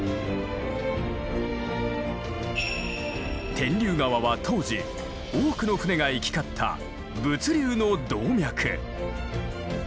天竜川は当時多くの船が行き交った物流の動脈。